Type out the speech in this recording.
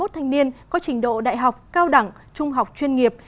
một ba mươi một thanh niên có trình độ đại học cao đẳng trung học chuyên nghiệp